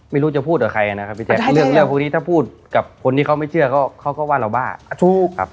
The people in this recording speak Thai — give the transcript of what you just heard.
ไม่รู้จะพูดกับใครนะครับพี่แจ๊กถ้าพูดกับคนที่เค้าไม่เชื่อเค้าก็ว่าเราบ้า